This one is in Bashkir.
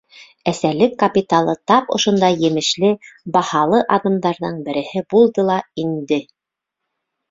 Әсәлек капиталы тап ошондай емешле, баһалы аҙымдарҙың береһе булды ла инде.